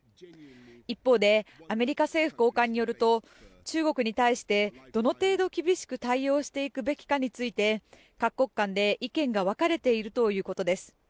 一方でアメリカ政府高官によると中国に対してどの程度厳しく対応していくべきかについて各国間で意見が分かれているということです。